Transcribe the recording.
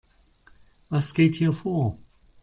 Was geht hier vor?